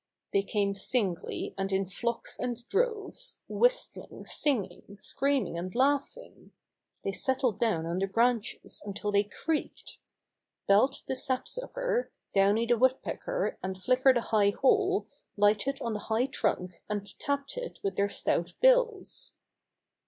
They came singly and in flocks and droves, whistling, singing, screaming and laughing. They settled down on the branches until they creaked. Belt the Sapsucker, Downy the Woodpecker and Flicker the High Hole lighted on the high trunk and tapped it with their stout bills.